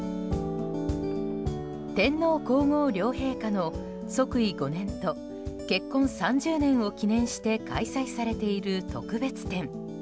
天皇・皇后両陛下の即位５年と結婚３０年を記念して開催されている特別展。